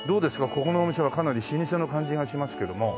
ここのお店はかなり老舗の感じがしますけども。